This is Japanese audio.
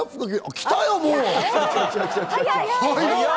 来たよ、もう！